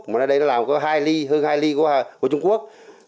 mà ở đây nó làm có hai ly hơn hai ly của trung quốc